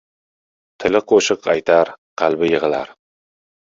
• Tili qo‘shiq aytar, qalbi yig‘lar.